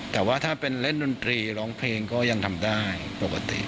แต่ว่าถ้าเป็นเล่นดนตรีร้องเพลงก็ยังทำได้ปกติ